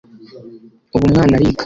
ubu umwana ariga